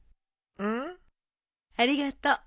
うん？ありがと。